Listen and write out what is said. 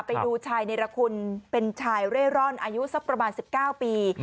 ไปดูชายเนรคุณเป็นชายเร่ร่อนอายุสักประมาณ๑๙ปี